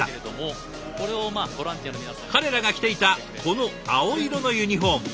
彼らが着ていたこの青色のユニフォーム。